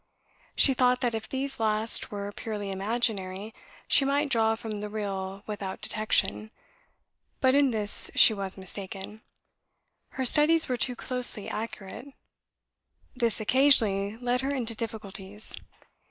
She thought that if these last were purely imaginary, she might draw from the real without detection, but in this she was mistaken; her studies were too closely accurate. This occasionally led her into difficulties.